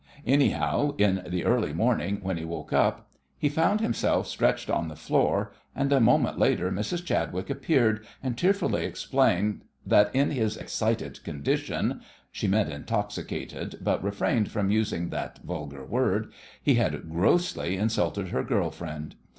Anyhow, in the early morning, when he woke up, he found himself stretched on the floor, and a moment later Mrs. Chadwick appeared, and tearfully explained that in his "excited condition" she meant intoxicated, but refrained from using that vulgar word he had grossly insulted her girl friend.